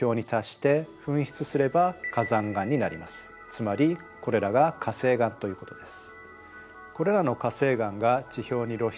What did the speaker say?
つまりこれらが火成岩ということです。